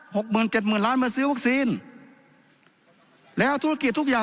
หกหมื่นเจ็ดหมื่นล้านมาซื้อวัคซีนแล้วธุรกิจทุกอย่าง